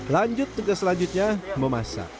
lanjut tugas selanjutnya memasak